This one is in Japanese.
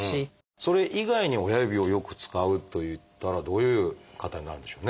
それ以外に親指をよく使うといったらどういう方になるんでしょうね。